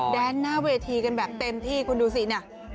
แดนหน้าเวทีกันแบบเต็มที่คุณดูสิเนี่ย